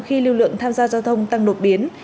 khi lưu lượng tham gia giao thông tăng đột biến